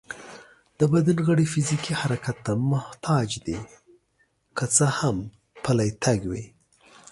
د بدن غړي فزيکي حرکت ته محتاج دي، که څه هم پلی تګ وي